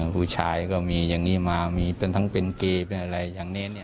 ผู้ชายก็มีอย่างนี้มามีทั้งเป็นเกย์อย่างนี้